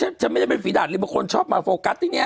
อ้าวฉันไม่ได้เป็นฝีดาตรหรือเปล่าคนชอบมาโฟกัสอย่างเนี่ย